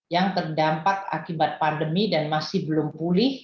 yang terdampak akibat pandemi dan masih belum pulih